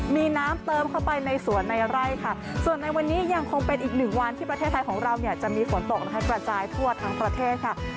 มีน้ำเติมเข้าไปในสวนในไร่ค่ะส่วนในวันนี้ยังคงเป็นอีกหนึ่งวันที่ประเทศไทยของเราเนี่ยจะมีฝนตกนะคะกระจายทั่วทั้งประเทศค่ะ